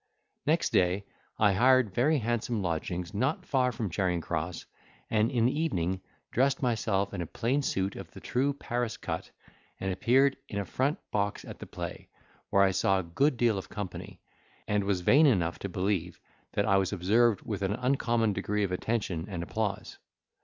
Next day I hired very handsome lodgings not far from Charing Cross; and in the evening dressed myself in a plain suit of the true Paris cut, and appeared in a front box at the play, where I saw a good deal of company, and was vain enough to believe that I was observed with an uncommon degree of attention and applause.